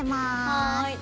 はい。